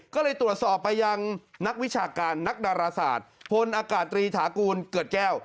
ก็เลยตรวจสอบไปยังนักวิชาการนักดาราศาสตร์พลอากาศตรีถากูลเกิดแก้ว